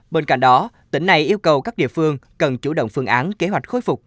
bên cạnh đó tỉnh này yêu cầu các địa phương cần chủ động phương án kế hoạch khôi phục